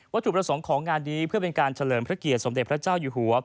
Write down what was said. ถูกประสงค์ของงานนี้เพื่อเป็นการเฉลิมพระเกียรติสมเด็จพระเจ้าอยู่หัว